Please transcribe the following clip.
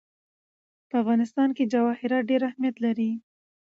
په افغانستان کې جواهرات ډېر اهمیت لري.